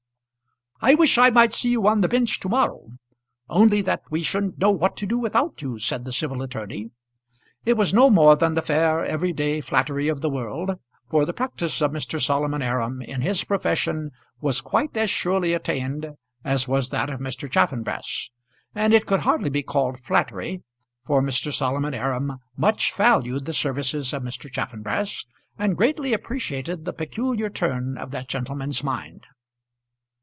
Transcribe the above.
"I wish I might see you on the bench to morrow; only that we shouldn't know what to do without you," said the civil attorney. It was no more than the fair every day flattery of the world, for the practice of Mr. Solomon Aram in his profession was quite as surely attained as was that of Mr. Chaffanbrass. And it could hardly be called flattery, for Mr. Solomon Aram much valued the services of Mr. Chaffanbrass, and greatly appreciated the peculiar turn of that gentleman's mind.